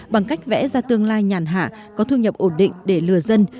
bằng cách vẽ ra tương lai nhàn hạ có thu nhập ổn định để lừa dân